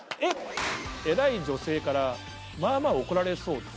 偉い女性からまあまあ怒られそうです。